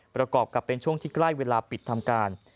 ประกอบกับเป็นช่วงที่ใกล้เวลาปิดทำการ